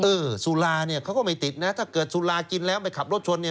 เออสุราเนี่ยเขาก็ไม่ติดนะถ้าเกิดสุรากินแล้วไปขับรถชนเนี่ย